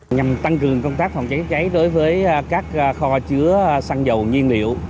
nhằm tăng cường công tác phòng cháy cháy đối với các kho chứa xăng dầu nhiên liệu